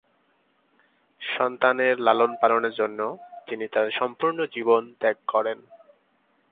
সন্তানের লালন-পালনের জন্য তিনি তার সম্পূর্ণ জীবন ত্যাগ করেন।